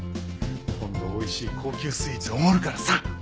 今度おいしい高級スイーツおごるからさ。